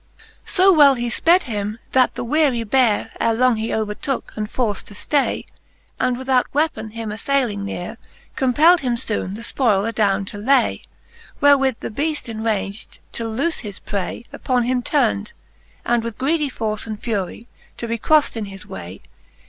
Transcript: So well he {ped him, that the wearie Beare Ere long he overtooke, and forfl: to flay, And without weapon him aflayling neare, Compeld him foone the fpoyle adowne to lay. Wherewith the beaft enrag'd to loole his pray. Upon him turned, and with greedie force And furie, to be croflcd in his way.